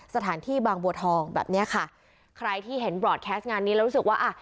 สถานที่บางบัวทองแบบเนี้ยค่ะใครที่เห็นบรอดแคสต์งานนี้แล้วรู้สึกว่าอ่ะ